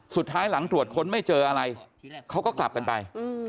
สุดท้ายหลังตรวจค้นไม่เจออะไรเขาก็กลับกันไป